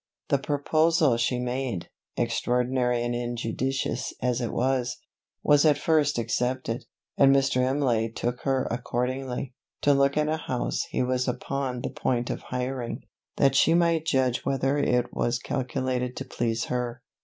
The proposal she made, extraordinary and injudicious as it was, was at first accepted; and Mr. Imlay took her accordingly, to look at a house he was upon the point of hiring, that she might judge whether it was calculated to please her.